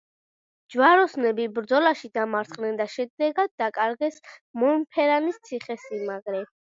ჯვაროსნები ბრძოლაში დამარცხდნენ და შედეგად დაკარგეს მონფერანის ციხესიმაგრე.